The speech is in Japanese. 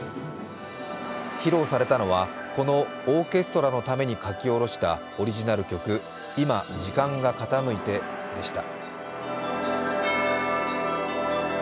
披露されたのは、このオーケストラのために書き下ろしたオリジナル曲「いま時間が傾いて」でした。